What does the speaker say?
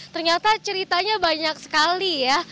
ternyata ceritanya banyak sekali ya